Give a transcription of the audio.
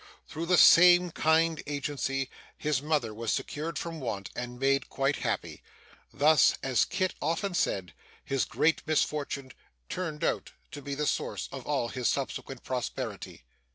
Through the same kind agency, his mother was secured from want, and made quite happy. Thus, as Kit often said, his great misfortune turned out to be the source of all his subsequent prosperity.